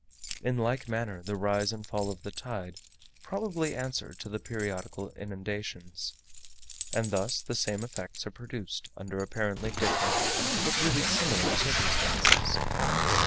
In like manner, the rise and fall of the tide probably answer to the periodical inundations; and thus the same effects are produced under apparently different but really similar circumstances.